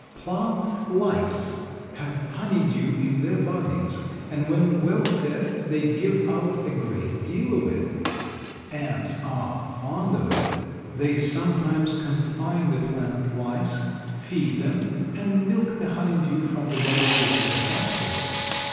Plant lice have honeydew in their bodies, and when well fed they give out a great deal of it. Ants are fond of it. They sometimes confine the plant lice, feed them, and milk the honeydew from the bodies of their captors.